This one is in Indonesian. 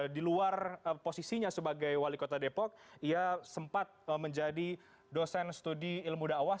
di luar posisinya sebagai wali kota depok ia sempat menjadi dosen studi ilmu dakwah